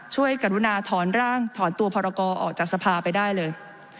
กรุณาถอนร่างถอนตัวพรกรออกจากสภาไปได้เลย